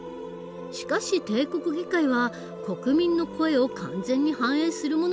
しかし帝国議会は国民の声を完全に反映するものではなかった。